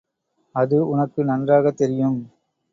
அது உனக்கு நன்றாகத் தெரியும்.